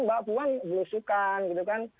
pak puan berusukan gitu kan